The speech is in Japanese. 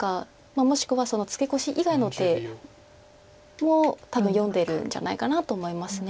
もしくはそのツケコシ以外の手も多分読んでるんじゃないかなと思います。